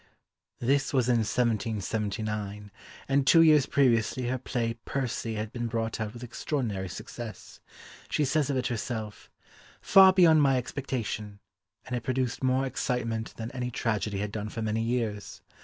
This was in 1779, and two years previously her play Percy had been brought out with extraordinary success; she says of it herself, "far beyond my expectation," and it produced more excitement than any tragedy had done for many years.